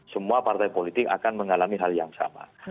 semua partai politik akan mengalami hal yang sama